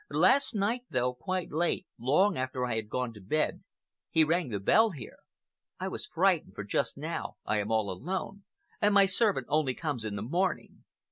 Last night, though, quite late—long after I had gone to bed—he rang the bell here. I was frightened, for just now I am all alone, and my servant only comes in the morning.